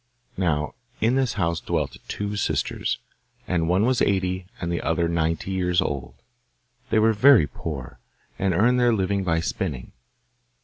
Now in this house dwelt two sisters, and one was eighty and the other ninety years old. They were very poor, and earned their living by spinning.